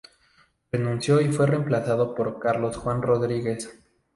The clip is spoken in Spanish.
Renunció y fue reemplazado por Carlos Juan Rodríguez.